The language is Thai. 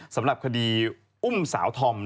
สำหรับคดีอุ้มสาวธอม